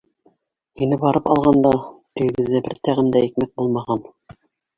Һине барып алғанда, өйөгөҙҙә бер тәғәм дә икмәк булмаған.